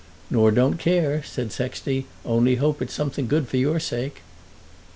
"Nor don't care," said Sexty; "only hope it's something good for your sake."